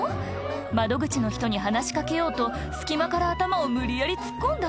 窓口の人に話し掛けようと隙間から頭を無理やり突っ込んだ？